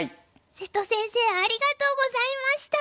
瀬戸先生ありがとうございました！